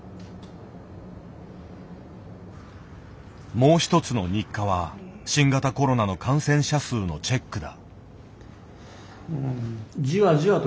もう一つの日課は新型コロナの感染者数のチェックだ。